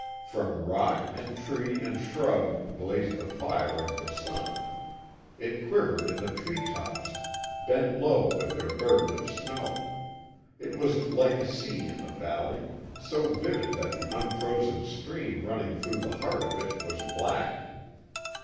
From rock and tree and shrub blazed the fire of the sun; it quivered in the tree tops, bent low with their burden of snow; it was like a sea in the valley, so vivid that the unfrozen stream running through the heart of it was black.